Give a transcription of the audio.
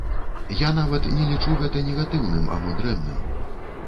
Я нават не лічу гэта негатыўным або дрэнным.